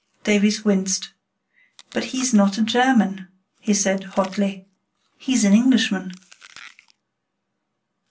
Davies winced. "But he's not a German," he said, hotly. "He's an Englishman."